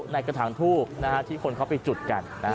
ในกระถางทูบที่คนเขาไปจุดกัน